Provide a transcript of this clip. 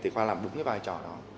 thì khoa làm bốn cái vai trò đó